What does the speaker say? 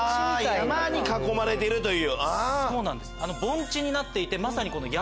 山に囲まれてるという。